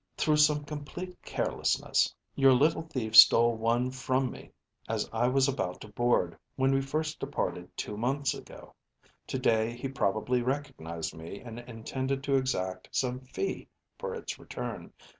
Through some complete carelessness, your little thief stole one from me as I was about to board when we first departed two months ago. Today he probably recognized me and intended to exact some fee for its return.